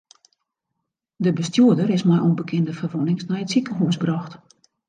De bestjoerder is mei ûnbekende ferwûnings nei it sikehûs brocht.